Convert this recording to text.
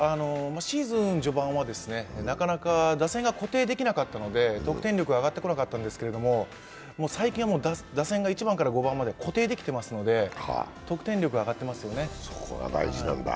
シーズン序盤はなかなか打線が固定できなかったので得点力が上がってこなかったんですが、最近はもう打線が１番から５番まで固定できてますから、得点力が上がっていますよね。